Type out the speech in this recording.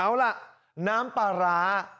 เอาล่ะน้ำปลาร้า